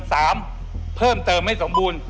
สามเพิ่มเติมให้สมบูรณ์